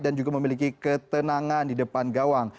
dan juga memiliki ketenangan di depan gawang